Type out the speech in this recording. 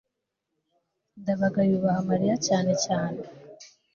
ndabaga yubaha mariya cyane cyane